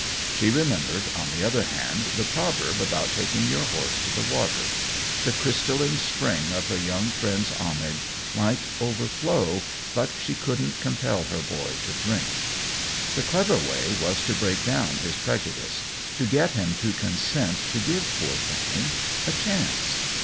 She remembered, on the other hand, the proverb about taking your horse to the water; the crystalline spring of her young friend's homage might overflow, but she couldn't compel her boy to drink. The clever way was to break down his prejudice — to get him to consent to give poor Fanny a chance.